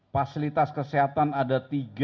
fasilitas kesehatan ada tiga